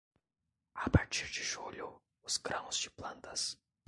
A partir de julho, os grãos de plantas.